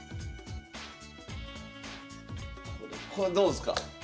これどうすか？